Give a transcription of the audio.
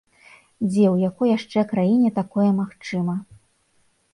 Дзе, у якой яшчэ краіне такое магчыма?